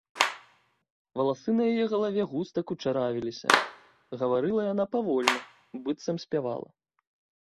Валасы на яе галаве густа кучаравіліся, гаварыла яна павольна, быццам спявала.